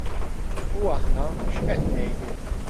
U aħna x'qed ngħidu?